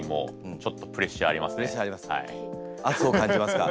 圧を感じますか。